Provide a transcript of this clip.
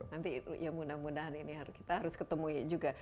oke nanti ya mudah mudahan ini harus kita harus ketemui juga